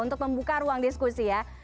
untuk membuka ruang diskusi ya